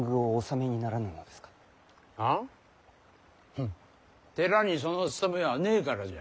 フッ寺にその務めはねえからじゃ。